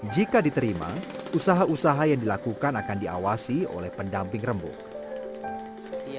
jika diterima usaha usaha yang dilakukan akan diawasi oleh pendamping rembuk